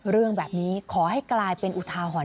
เรื่องแบบนี้ขอให้กลายเป็นอุทาหรณ